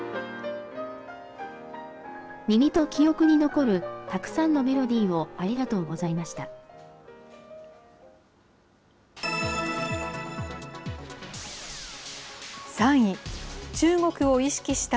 耳と記憶に残るたくさんのメロディーをありがとうございました。